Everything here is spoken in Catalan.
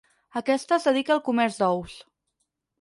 Aquesta es dedica al comerç d'ous.